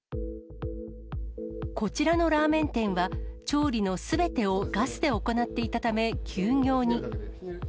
こちらのラーメン店は、調理のすべてをガスで行っていたため、休業に。